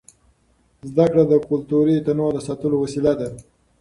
زده کړه د کلتوري تنوع د ساتلو وسیله ده.